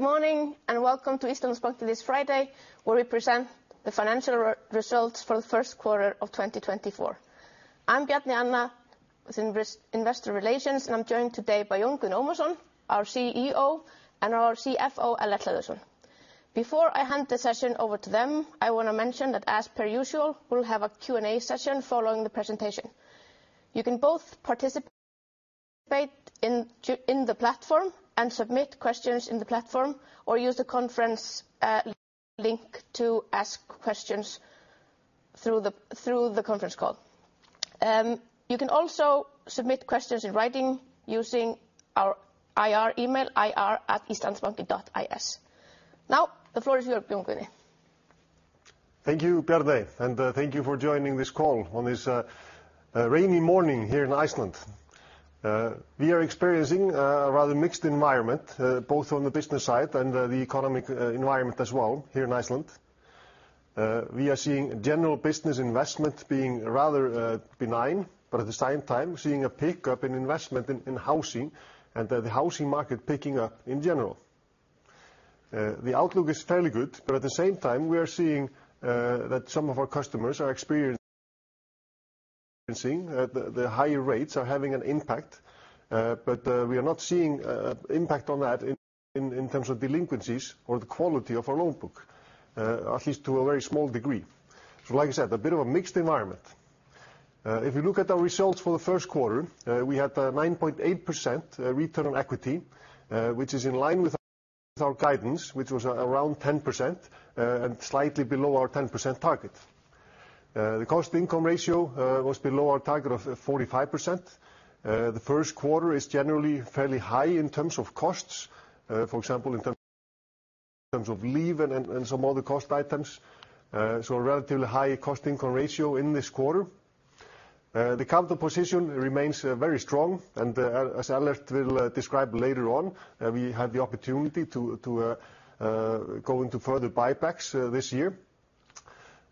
Good morning, and welcome to Íslandsbanki this Friday, where we present the financial results for the Q1 of 2024. I'm Bjarney Anna with Investor Relations, and I'm joined today by Jón Guðni Ómarsson, our CEO, and our CFO, Ellert Hlöðversson. Before I hand the session over to them, I wanna mention that as per usual, we'll have a Q&A session following the presentation. You can participate in the platform and submit questions in the platform or use the conference link to ask questions through the conference call. You can also submit questions in writing using our IR email, ir@islandsbanki.is. Now, the floor is yours, Jón Guðni. Thank you, Bjarney, and thank you for joining this call on this rainy morning here in Iceland. We are experiencing a rather mixed environment, both on the business side and the economic environment as well here in Iceland. We are seeing general business investment being rather benign, but at the same time, we're seeing a pickup in investment in housing and the housing market picking up in general. The outlook is fairly good, but at the same time, we are seeing that some of our customers are experiencing the higher rates are having an impact. But we are not seeing impact on that in terms of delinquencies or the quality of our loan book, at least to a very small degree. So like I said, a bit of a mixed environment. If you look at our results for the Q1, we had a 9.8% return on equity, which is in line with our guidance, which was around 10%, and slightly below our 10% target. The cost-income ratio was below our target of 45%. The Q1 is generally fairly high in terms of costs, for example, in terms of leave and some other cost items, so a relatively high cost-income ratio in this quarter. The capital position remains very strong, and as Ellert will describe later on, we had the opportunity to go into further buybacks this year.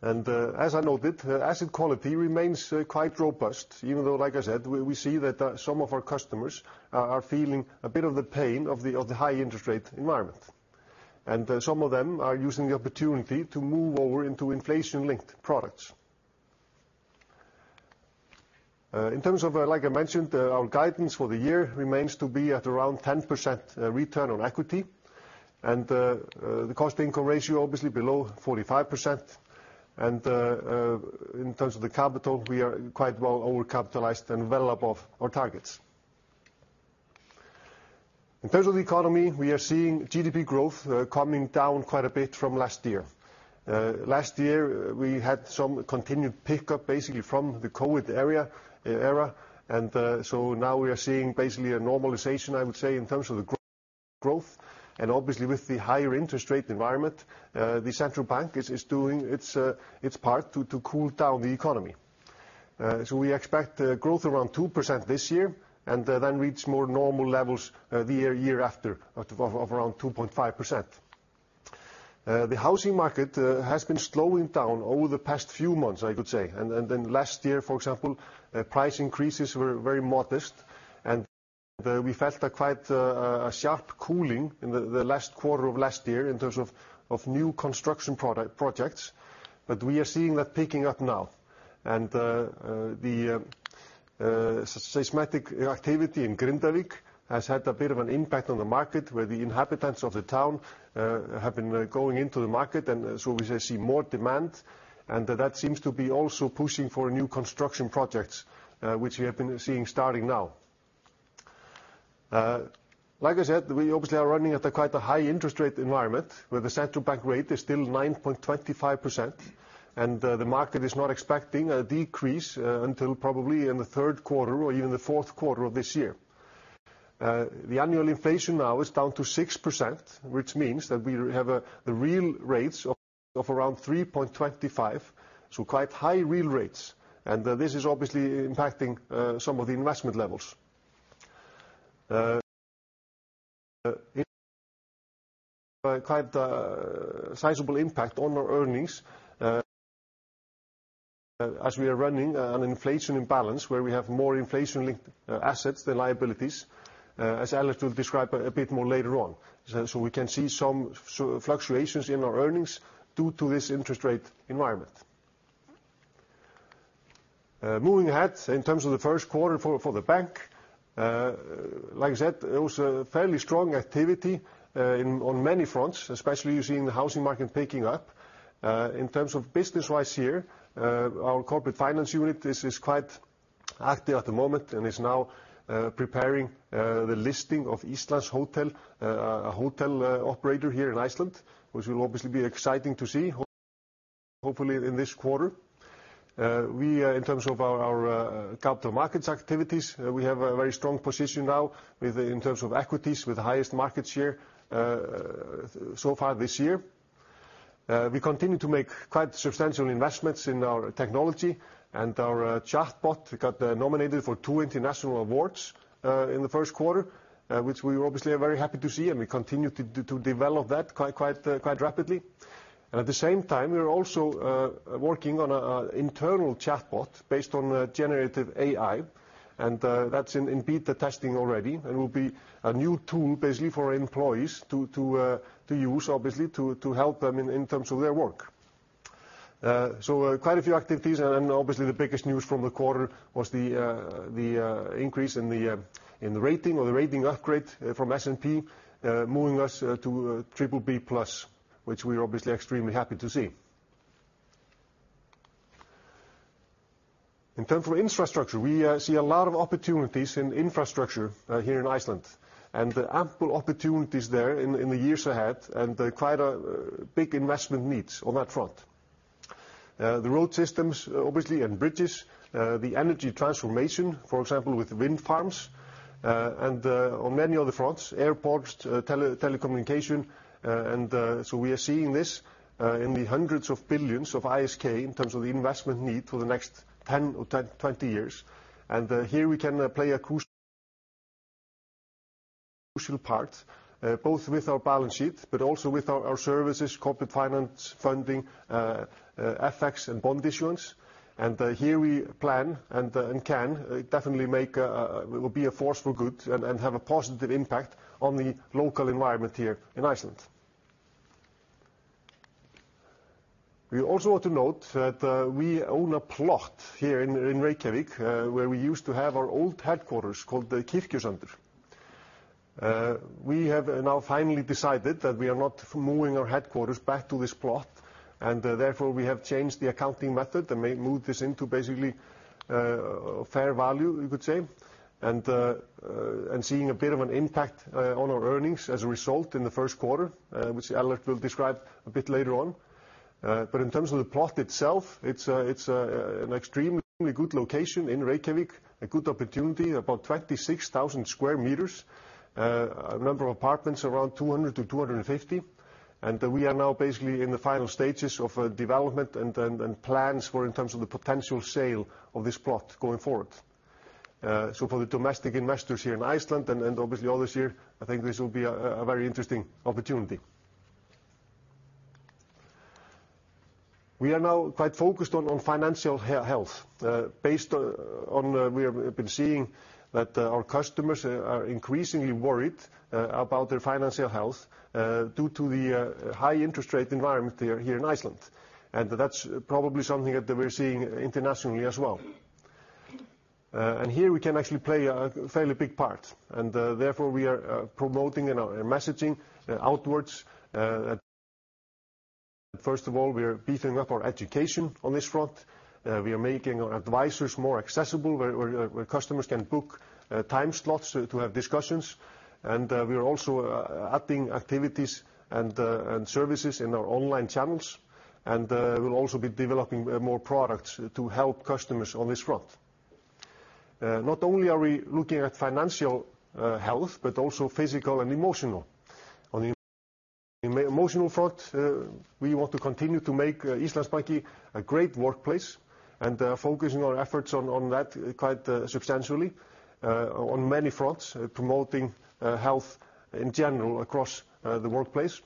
As I noted, the asset quality remains quite robust, even though, like I said, we see that some of our customers are feeling a bit of the pain of the high interest rate environment. And some of them are using the opportunity to move over into inflation-linked products. In terms of, like I mentioned, our guidance for the year remains to be at around 10% return on equity, and the cost-income ratio obviously below 45%. And in terms of the capital, we are quite well overcapitalized and well above our targets. In terms of the economy, we are seeing GDP growth coming down quite a bit from last year. Last year, we had some continued pickup, basically from the COVID era, and so now we are seeing basically a normalization, I would say, in terms of the growth, and obviously with the higher interest rate environment, the central bank is doing its part to cool down the economy. So we expect growth around 2% this year, and then reach more normal levels the year after, of around 2.5%. The housing market has been slowing down over the past few months, I could say. Then last year, for example, price increases were very modest, and we felt quite a sharp cooling in the last quarter of last year in terms of new construction projects, but we are seeing that picking up now. The seismic activity in Grindavík has had a bit of an impact on the market, where the inhabitants of the town have been going into the market, and so we see more demand, and that seems to be also pushing for new construction projects, which we have been seeing starting now. Like I said, we obviously are running at a quite a high interest rate environment, where the central bank rate is still 9.25%, and the market is not expecting a decrease until probably in the Q3 or even the Q4 of this year. The annual inflation now is down to 6%, which means that we have the real rates of around 3.25, so quite high real rates, and this is obviously impacting some of the investment levels. Quite sizable impact on our earnings as we are running an inflation imbalance, where we have more inflation-linked assets than liabilities, as Ellert will describe a bit more later on. So we can see some fluctuations in our earnings due to this interest rate environment. Moving ahead, in terms of the Q1 for the bank, like I said, it was a fairly strong activity in on many fronts, especially using the housing market picking up. In terms of business-wise here, our corporate finance unit is quite active at the moment and is now preparing the listing of Íslandshótel, a hotel operator here in Iceland, which will obviously be exciting to see, hopefully in this quarter. In terms of our capital markets activities, we have a very strong position now with the in terms of equities, with the highest market share so far this year. We continue to make quite substantial investments in our technology and our chatbot. We got nominated for two international awards in the Q1, which we obviously are very happy to see, and we continue to develop that quite rapidly. And at the same time, we are also working on an internal chatbot based on generative AI, and that's in beta testing already, and will be a new tool basically for employees to use, obviously, to help them in terms of their work. So, quite a few activities, and then obviously the biggest news from the quarter was the increase in the rating or the rating upgrade from S&P, moving us to BBB+ which we are obviously extremely happy to see. In terms of infrastructure, we see a lot of opportunities in infrastructure here in Iceland, and ample opportunities there in the years ahead, and quite a big investment needs on that front. The road systems, obviously, and bridges, the energy transformation, for example, with wind farms, and on many other fronts, airports, telecommunication, and so we are seeing this in the hundreds of billions ISK in terms of the investment need for the next 10 or 20 years. Here we can play a crucial part both with our balance sheet, but also with our services, corporate finance, funding, FX and bond issuance. And here we plan and can definitely make a, a, will be a force for good and have a positive impact on the local environment here in Iceland. We also want to note that we own a plot here in Reykjavík, where we used to have our old headquarters called the Kirkjusandur. We have now finally decided that we are not moving our headquarters back to this plot, and therefore we have changed the accounting method and moved this into basically fair value, you could say. And seeing a bit of an impact on our earnings as a result in the Q1, which Ellert will describe a bit later on. But in terms of the plot itself, it's an extremely good location in Reykjavík, a good opportunity, about 26,000 square meters, a number of apartments, around 200-250. And we are now basically in the final stages of development and plans for in terms of the potential sale of this plot going forward. So for the domestic investors here in Iceland and obviously others here, I think this will be a very interesting opportunity. We are now quite focused on financial health. Based on, we have been seeing that our customers are increasingly worried about their financial health due to the high interest rate environment here in Iceland. And that's probably something that we're seeing internationally as well. And here we can actually play a fairly big part, and therefore we are promoting in our messaging outwards. First of all, we are beefing up our education on this front. We are making our advisors more accessible, where customers can book time slots to have discussions, and we are also adding activities and services in our online channels, and we'll also be developing more products to help customers on this front. Not only are we looking at financial health, but also physical and emotional. On the emotional front, we want to continue to make Íslandsbanki a great workplace, and focusing our efforts on that quite substantially on many fronts, promoting health in general across the workplace.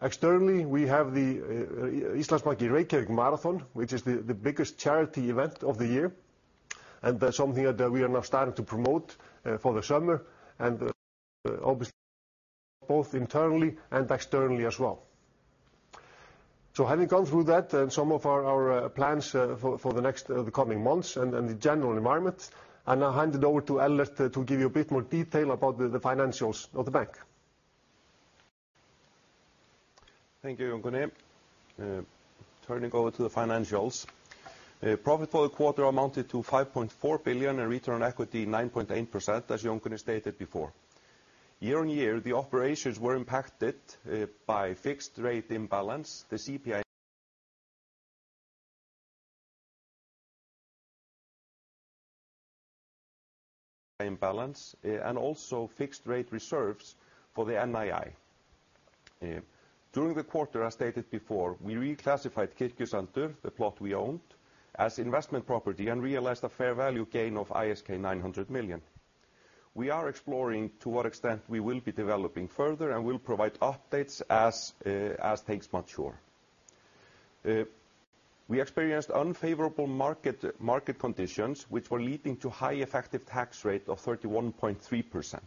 Externally, we have the Íslandsbanki Reykjavík Marathon, which is the biggest charity event of the year, and that's something that we are now starting to promote for the summer, and obviously both internally and externally as well. So having gone through that and some of our plans for the next, the coming months and the general environment, I now hand it over to Ellert to give you a bit more detail about the financials of the bank. Thank you, Jón Guðni. Turning over to the financials. Profit for the quarter amounted to 5.4 billion, and return on equity 9.8%, as Jón Guðni stated before. Year-on-year, the operations were impacted by fixed rate imbalance, the CPI imbalance, and also fixed rate reserves for the NII. During the quarter, as stated before, we reclassified Kirkjusandur, the plot we owned, as investment property and realized a fair value gain of ISK 900 million. We are exploring to what extent we will be developing further, and we'll provide updates as things mature. We experienced unfavorable market conditions, which were leading to high effective tax rate of 31.3%.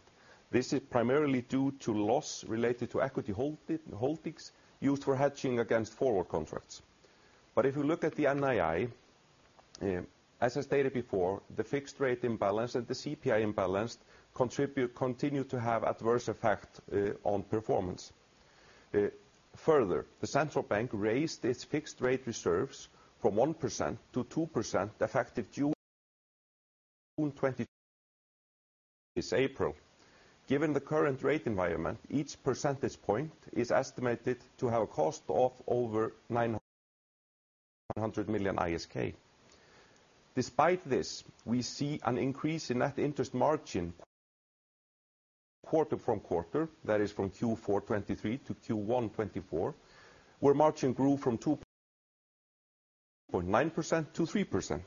This is primarily due to loss related to equity holdings used for hedging against forward contracts. But if you look at the NII, as I stated before, the fixed rate imbalance and the CPI imbalance continue to have adverse effect on performance. Further, the Central Bank raised its fixed rate reserves from 1% to 2%, effective June 2024. This April. Given the current rate environment, each percentage point is estimated to have a cost of over 900 million ISK. Despite this, we see an increase in net interest margin quarter-over-quarter, that is, from Q4 2023 to Q1 2024, where margin grew from 2.9%-3%.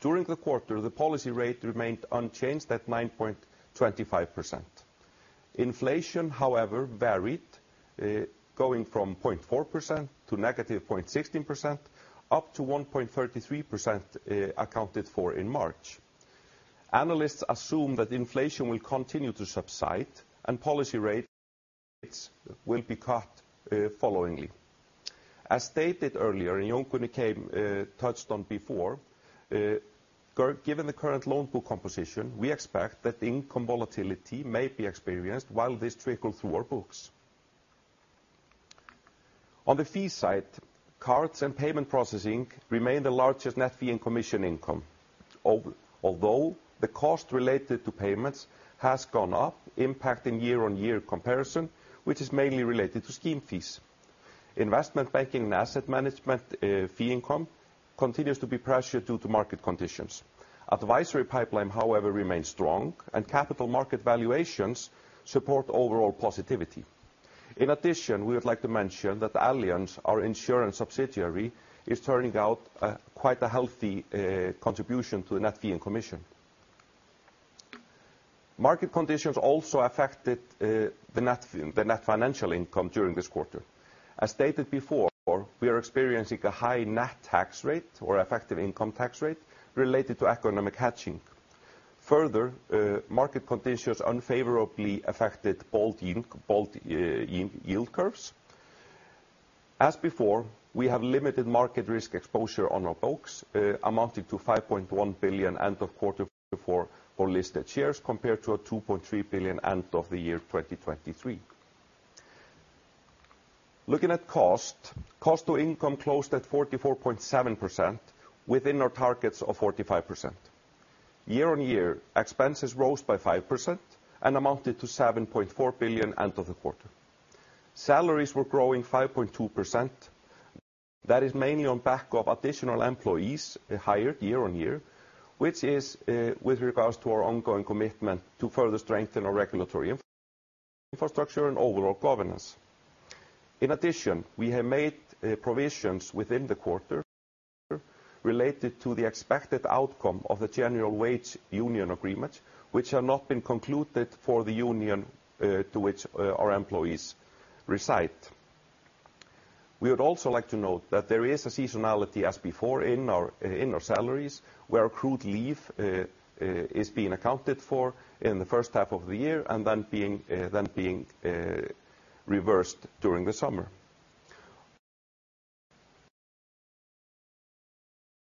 During the quarter, the policy rate remained unchanged at 9.25%. Inflation, however, varied, going from 0.4% to -0.16%, up to 1.33%, accounted for in March. Analysts assume that inflation will continue to subside and policy rates will be cut, followingly. As stated earlier, and Jón Guðni touched on before, given the current loan pool composition, we expect that income volatility may be experienced while this trickle through our books. On the fee side, cards and payment processing remain the largest net fee and commission income. Although, the cost related to payments has gone up, impacting year-on-year comparison, which is mainly related to scheme fees. Investment banking and asset management, fee income continues to be pressured due to market conditions. Advisory pipeline, however, remains strong, and capital market valuations support overall positivity. In addition, we would like to mention that Allianz, our insurance subsidiary, is turning out quite a healthy contribution to the net fee and commission. Market conditions also affected the net financial income during this quarter. As stated before, we are experiencing a high net tax rate or effective income tax rate related to economic hedging. Further, market conditions unfavorably affected bond yield, bond yield curves. As before, we have limited market risk exposure on our books, amounting to 5.1 billion end of quarter four for listed shares, compared to 2.3 billion end of the year 2023. Looking at cost, cost to income closed at 44.7% within our targets of 45%. Year-on-year, expenses rose by 5% and amounted to 7.4 billion end of the quarter. Salaries were growing 5.2%. That is mainly on back of additional employees hired year on year, which is, with regards to our ongoing commitment to further strengthen our regulatory infrastructure and overall governance. In addition, we have made, provisions within the quarter related to the expected outcome of the general wage union agreement, which have not been concluded for the union, to which, our employees reside. We would also like to note that there is a seasonality as before in our, in our salaries, where accrued leave, is being accounted for in the first half of the year and then being, then being, reversed during the summer.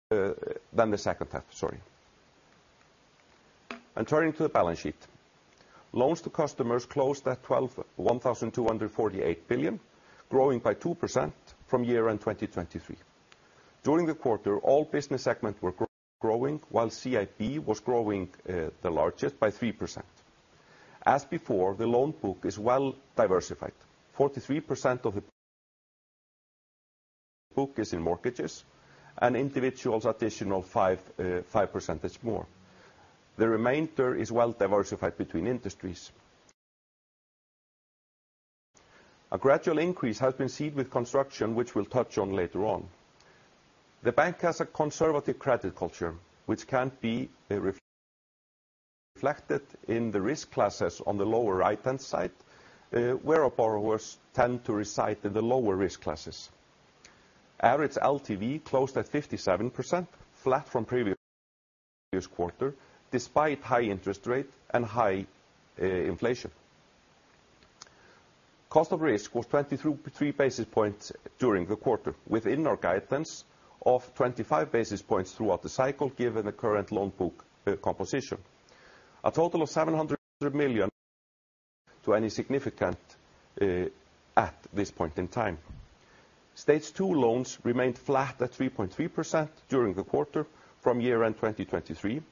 Than the second half, sorry. Turning to the balance sheet. Loans to customers closed at 1,248 billion, growing by 2% from year-end 2023. During the quarter, all business segments were growing, while CPI was growing the largest by 3%. As before, the loan book is well diversified. 43% of the book is in mortgages and individuals additional 5, 5 percentage more. The remainder is well diversified between industries. A gradual increase has been seen with construction, which we'll touch on later on. The bank has a conservative credit culture, which can be reflected in the risk classes on the lower right-hand side, where our borrowers tend to reside in the lower risk classes. Average LTV closed at 57%, flat from previous quarter, despite high interest rate and high inflation. Cost of risk was 23 basis points during the quarter, within our guidance of 25 basis points throughout the cycle, given the current loan book composition. A total of 700 million to any significant, at this point in time. Stage two loans remained flat at 3.3% during the quarter from year-end 2023.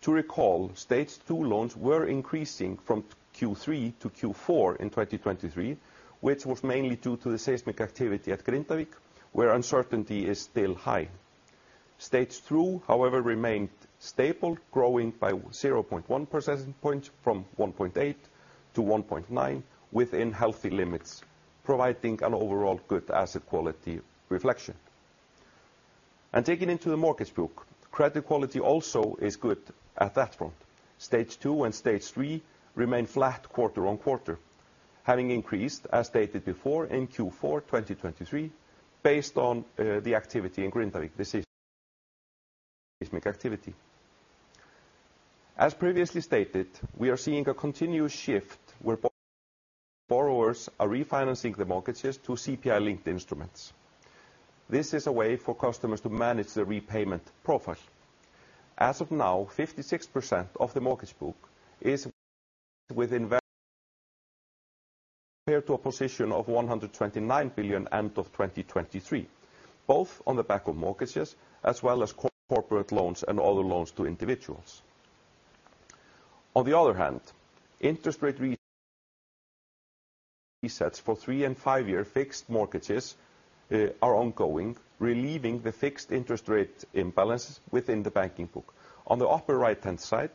To recall, stage two loans were increasing from Q3 to Q4 in 2023, which was mainly due to the seismic activity at Grindavík, where uncertainty is still high. Stage two, however, remained stable, growing by 0.1 percentage points from 1.8% to 1.9% within healthy limits, providing an overall good asset quality reflection. Taking into the mortgage book, credit quality also is good at that front. Stage two and stage three remain flat quarter-on-quarter, having increased, as stated before, in Q4 2023, based on, the activity in Grindavík, the seismic activity. As previously stated, we are seeing a continuous shift where borrowers are refinancing the mortgages to CPI-linked instruments. This is a way for customers to manage their repayment profile. As of now, 56% of the mortgage book is within... compared to a position of 129 billion end of 2023, both on the back of mortgages as well as corporate loans and other loans to individuals. On the other hand, interest rate resets for 3- and 5-year fixed mortgages are ongoing, relieving the fixed interest rate imbalances within the banking book. On the upper right-hand side,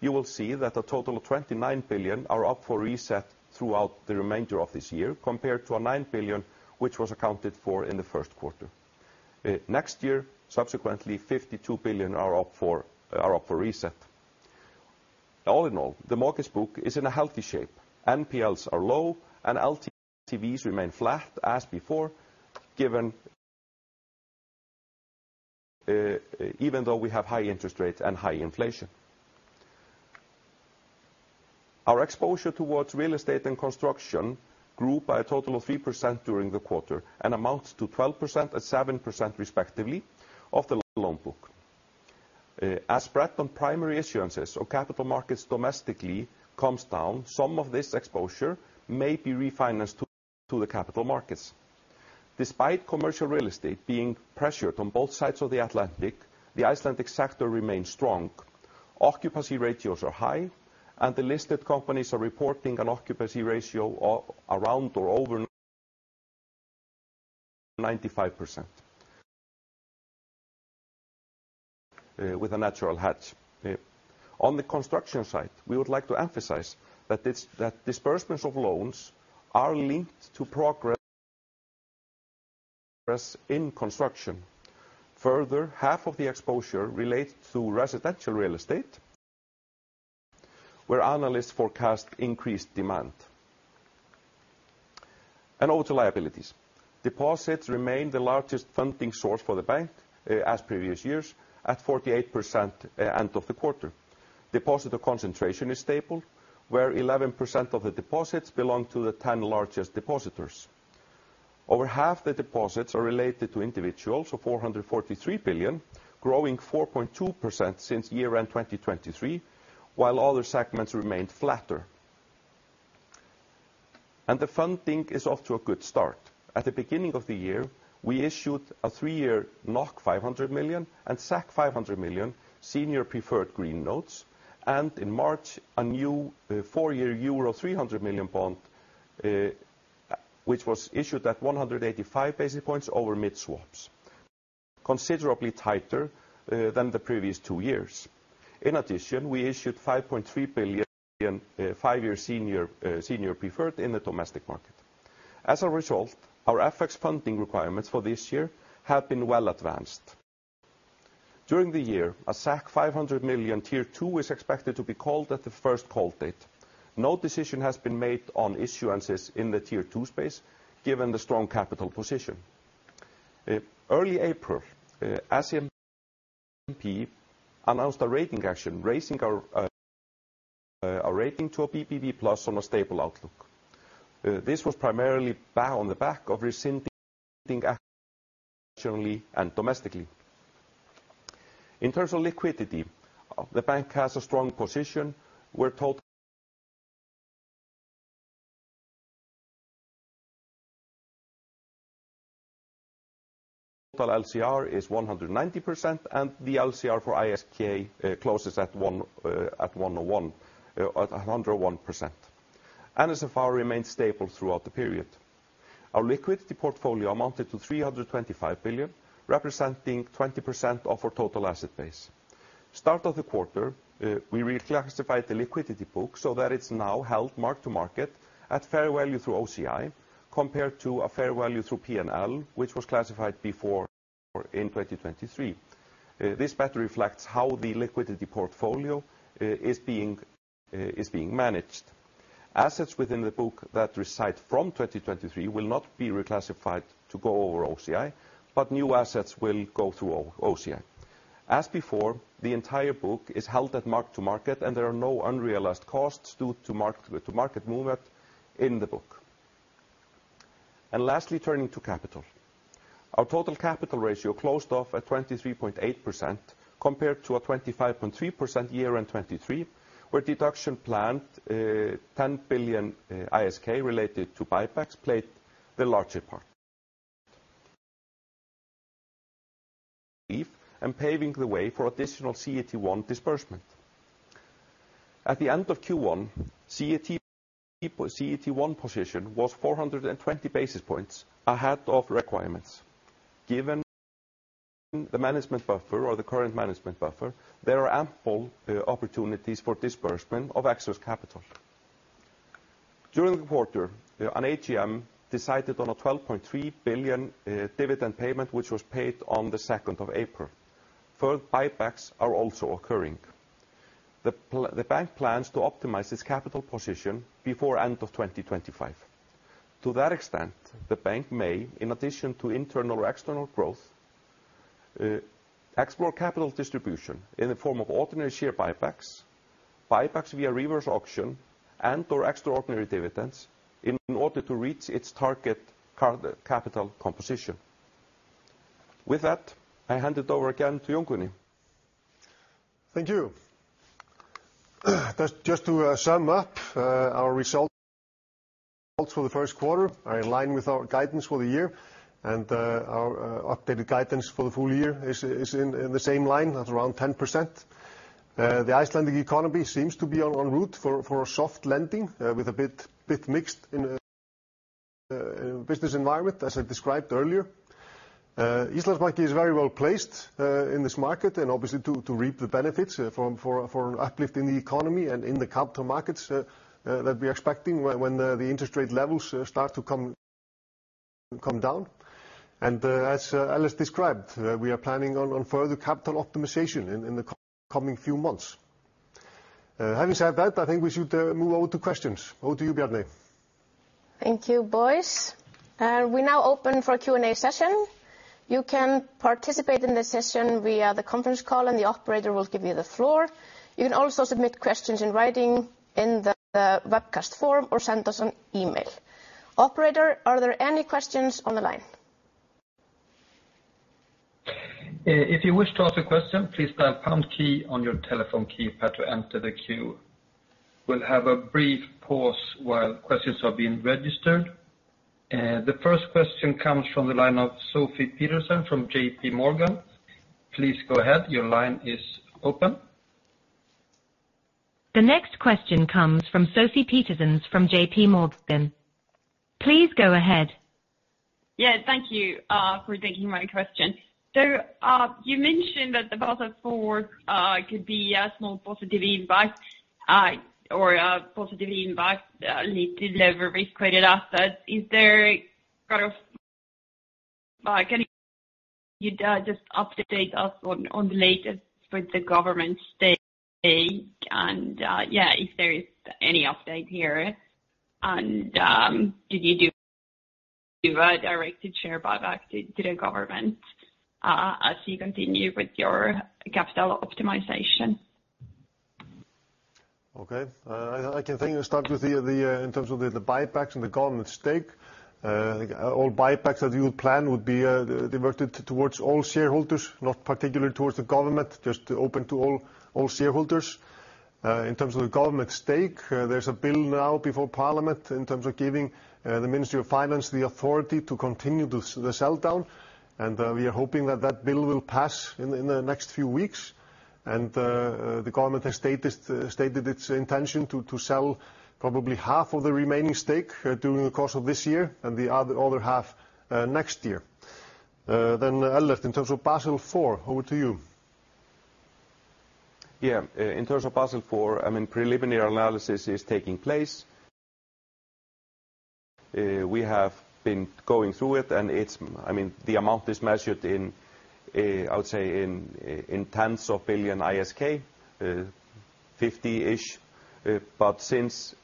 you will see that a total of 29 billion are up for reset throughout the remainder of this year, compared to 9 billion, which was accounted for in the Q1. Next year, subsequently, 52 billion are up for reset. All in all, the mortgage book is in a healthy shape. NPLs are low, and LTVs remain flat as before, given, even though we have high interest rates and high inflation. Our exposure towards real estate and construction grew by a total of 3% during the quarter, and amounts to 12% and 7%, respectively, of the loan book. As spread on primary issuances or capital markets domestically comes down, some of this exposure may be refinanced to the capital markets. Despite commercial real estate being pressured on both sides of the Atlantic, the Icelandic sector remains strong. Occupancy ratios are high, and the listed companies are reporting an occupancy ratio of around or over 95%, with a natural hedge. On the construction side, we would like to emphasize that that disbursements of loans are linked to progress in construction. Further, half of the exposure relates to residential real estate, where analysts forecast increased demand. Also liabilities. Deposits remain the largest funding source for the bank, as previous years, at 48%, end of the quarter. Deposit concentration is stable, where 11% of the deposits belong to the 10 largest depositors. Over half the deposits are related to individuals, so 443 billion, growing 4.2% since year-end 2023, while other segments remained flatter. The funding is off to a good start. At the beginning of the year, we issued a 3-year 500 million and 500 million senior preferred green notes, and in March, a new 4-year euro 300 million bond, which was issued at 185 basis points over mid-swaps, considerably tighter than the previous 2 years. In addition, we issued 5.3 billion, five-year senior, senior preferred in the domestic market. As a result, our FX funding requirements for this year have been well advanced. During the year, a 500 million Tier 2 is expected to be called at the first call date. No decision has been made on issuances in the Tier 2 space, given the strong capital position. In early April, S&P announced a rating action, raising our, our rating to a BBB+ on a stable outlook. This was primarily based on the back of recent rating actions locally and domestically. In terms of liquidity, the bank has a strong position where total LCR is 190%, and the LCR for ISK closes at one, at one oh one, at a hundred and one percent. NSFR remains stable throughout the period. Our liquidity portfolio amounted to 325 billion, representing 20% of our total asset base. Start of the quarter, we reclassified the liquidity book so that it's now held mark-to-market at fair value through OCI, compared to a fair value through PNL, which was classified before in 2023. This better reflects how the liquidity portfolio is being managed. Assets within the book that originate from 2023 will not be reclassified to go over OCI, but new assets will go through OCI. As before, the entire book is held at mark to market, and there are no unrealized costs due to mark-to-market movement in the book. Lastly, turning to capital. Our total capital ratio closed off at 23.8%, compared to a 25.3%, year-end 2023, where deduction planned, 10 billion ISK related to buybacks played the larger part. Paving the way for additional CET1 disbursement. At the end of Q1, CET1 position was 420 basis points ahead of requirements. Given the management buffer or the current management buffer, there are ample, opportunities for disbursement of excess capital. During the quarter, an AGM decided on a 12.3 billion ISK, dividend payment, which was paid on the second of April. Further buybacks are also occurring. The bank plans to optimize its capital position before end of 2025. To that extent, the bank may, in addition to internal or external growth, explore capital distribution in the form of ordinary share buybacks, buybacks via reverse auction, and/or extraordinary dividends in order to reach its target capital composition. With that, I hand it over again to Jón Guðni Ómarsson. Thank you. Just to sum up, our results for the Q1 are in line with our guidance for the year, and our updated guidance for the full year is in the same line at around 10%.... The Icelandic economy seems to be on route for a soft landing, with a bit mixed business environment, as I described earlier. Íslandsbanki is very well placed in this market, and obviously to reap the benefits from an uplift in the economy and in the capital markets that we're expecting when the interest rate levels start to come down. And as Ellert described, we are planning on further capital optimization in the coming few months. Having said that, I think we should move over to questions. Over to you, Bjarney. Thank you, boys. We're now open for Q&A session. You can participate in the session via the conference call, and the operator will give you the floor. You can also submit questions in writing in the webcast form or send us an email. Operator, are there any questions on the line? If you wish to ask a question, please dial pound key on your telephone keypad to enter the queue. We'll have a brief pause while questions are being registered. The first question comes from the line of Sofie Peterzens from J.P. Morgan. Please go ahead. Your line is open. The next question comes from Sofie Peterzens from J.P. Morgan. Please go ahead. Yeah, thank you for taking my question. So, you mentioned that the Basel IV could be a small positive impact or a positive impact lead to lever risk credit assets. Is there kind of can you just update us on the latest with the government stake? And yeah, if there is any update here, and did you do a directed share buyback to the government as you continue with your capital optimization? Okay. I can think and start with the in terms of the buybacks and the government stake. All buybacks that you plan would be diverted towards all shareholders, not particularly towards the government, just open to all shareholders. In terms of the government stake, there's a bill now before parliament in terms of giving the Ministry of Finance the authority to continue the sell down, and we are hoping that that bill will pass in the next few weeks. And the government has stated its intention to sell probably half of the remaining stake during the course of this year, and the other half next year. Then Ellert, in terms of Basel IV, over to you. Yeah. In terms of Basel IV, I mean, preliminary analysis is taking place. We have been going through it, and it's... I mean, the amount is measured in, I would say in, in tens of billions ISK, 50-ish. But since,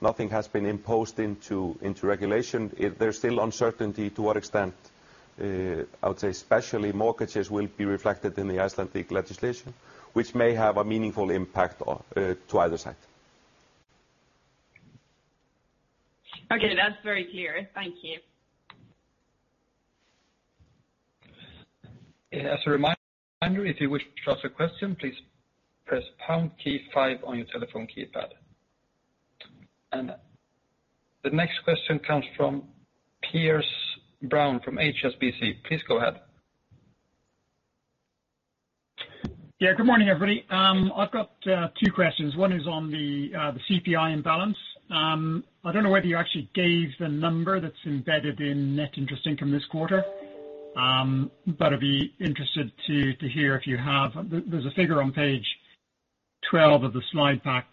nothing has been imposed into, into regulation, there's still uncertainty to what extent, I would say, especially mortgages will be reflected in the Icelandic legislation, which may have a meaningful impact on, to either side. Okay, that's very clear. Thank you. As a reminder, if you wish to ask a question, please press pound key five on your telephone keypad. The next question comes from Piers Brown, from HSBC. Please go ahead. Yeah, good morning, everybody. I've got two questions. One is on the CPI imbalance. I don't know whether you actually gave the number that's embedded in net interest income this quarter, but I'd be interested to hear if you have. There's a figure on page 12 of the slide pack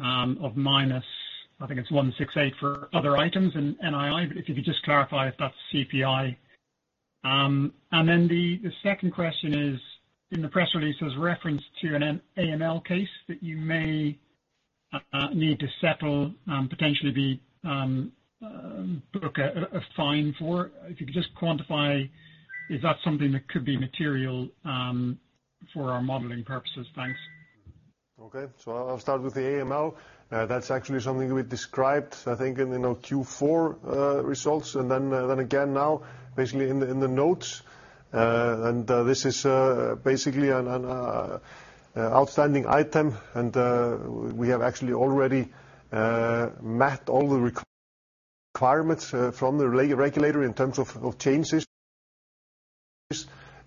of minus, I think it's 168 for other items in NII, but if you could just clarify if that's CPI. And then the second question is, in the press release, there's reference to an anti-AML case that you may need to settle, potentially book a fine for. If you could just quantify, is that something that could be material for our modeling purposes? Thanks. Okay. So I'll start with the AML. That's actually something we described, I think, in, you know, Q4 results, and then again now, basically in the notes. And this is basically an outstanding item, and we have actually already met all the requirements from the regulator in terms of changes.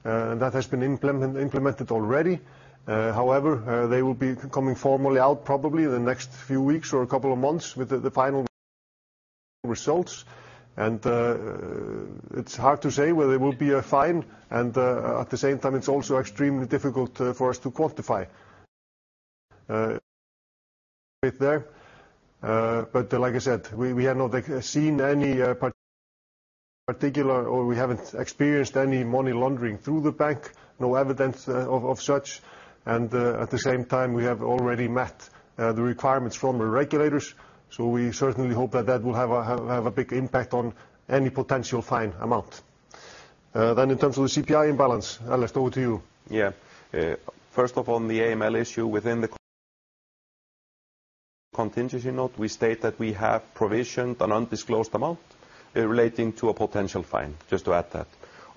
That has been implemented already. However, they will be coming formally out probably in the next few weeks or a couple of months with the final results. And it's hard to say whether it will be a fine, and at the same time, it's also extremely difficult for us to quantify there. But like I said, we have not seen any particular, or we haven't experienced any money laundering through the bank, no evidence of such, and at the same time, we have already met the requirements from the regulators. So we certainly hope that that will have a big impact on any potential fine amount. Then in terms of the CPI imbalance, Ellert, over to you. Yeah. First off, on the AML issue, within the contingency note, we state that we have provisioned an undisclosed amount, relating to a potential fine, just to add that.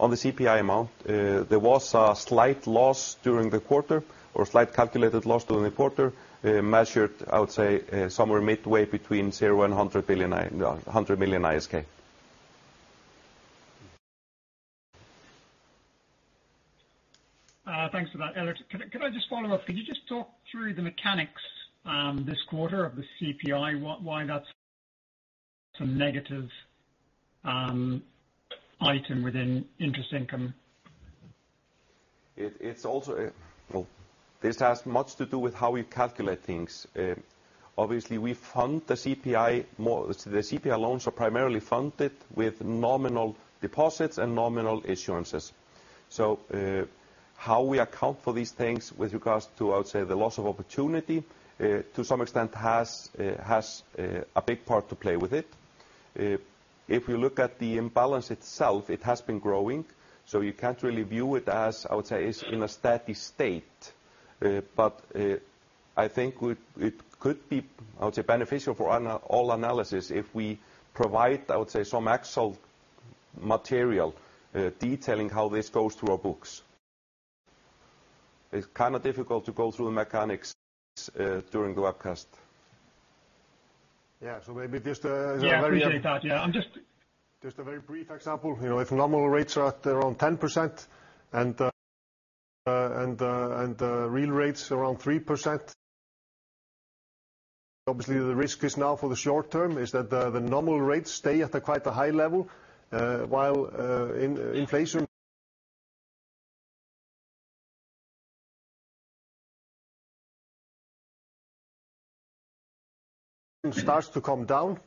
On the CPI amount, there was a slight loss during the quarter, or a slight calculated loss during the quarter, measured, I would say, somewhere midway between 0-100 million ISK.... Thanks for that, Ellert. Can I just follow up? Could you just talk through the mechanics this quarter of the CPI, why that's a negative item within interest income? Well, this has much to do with how we calculate things. Obviously, we fund the CPI more. The CPI loans are primarily funded with nominal deposits and nominal issuances. So, how we account for these things with regards to, I would say, the loss of opportunity, to some extent has a big part to play with it. If you look at the imbalance itself, it has been growing, so you can't really view it as, I would say, it's in a steady state. But I think it could be, I would say, beneficial for all analysis if we provide, I would say, some actual material detailing how this goes through our books. It's kind of difficult to go through the mechanics during the webcast. Yeah, so maybe just, as a very- Yeah, I appreciate that. Yeah, I'm just- Just a very brief example. You know, if nominal rates are at around 10%, and real rates around 3%, obviously the risk is now for the short term, is that the nominal rates stay at a quite high level, while inflation starts to come down.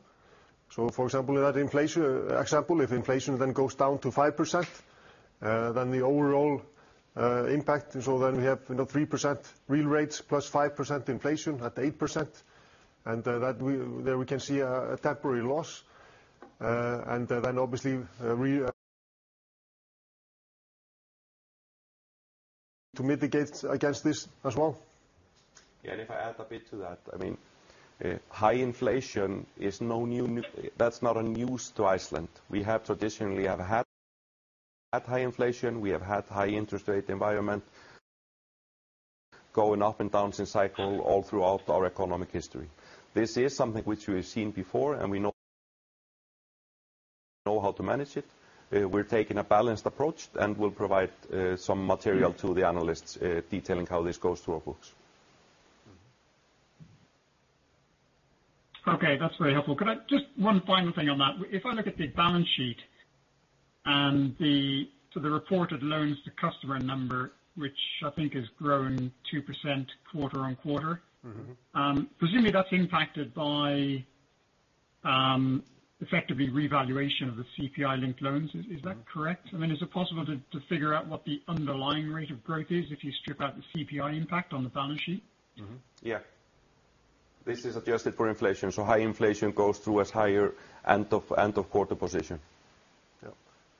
So for example, that inflation example, if inflation then goes down to 5%, then the overall impact, so then we have, you know, 3% real rates plus 5% inflation at 8%, and that we... There we can see a temporary loss. And then obviously, we to mitigate against this as well. Yeah, and if I add a bit to that, I mean, high inflation is no new, that's not news to Iceland. We have traditionally had high inflation, we have had high interest rate environment going up and down in cycle all throughout our economic history. This is something which we have seen before, and we know how to manage it. We're taking a balanced approach, and we'll provide some material to the analysts detailing how this goes through our books. Okay, that's very helpful. Could I just... One final thing on that. If I look at the balance sheet and the, so the reported loans to customer number, which I think has grown 2% quarter-on-quarter- Mm-hmm. presumably that's impacted by, effectively revaluation of the CPI-linked loans. Is that correct? I mean, is it possible to figure out what the underlying rate of growth is if you strip out the CPI impact on the balance sheet? Mm-hmm. Yeah. This is adjusted for inflation, so high inflation goes through as higher end-of-quarter position.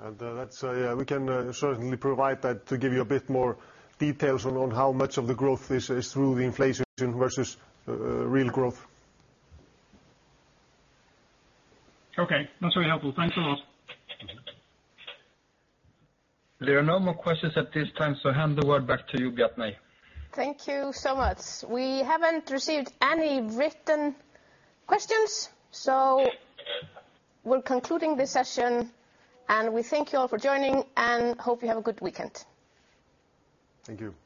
Yeah. We can certainly provide that to give you a bit more details on how much of the growth is through the inflation versus real growth. Okay. That's very helpful. Thanks a lot. There are no more questions at this time, so I hand the word back to you, Bjarney. Thank you so much. We haven't received any written questions, so we're concluding this session, and we thank you all for joining and hope you have a good weekend. Thank you. Thank you.